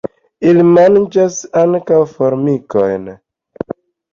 Ili manĝas ankaŭ formikojn.